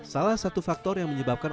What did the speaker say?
salah satu faktor yang menyebabkan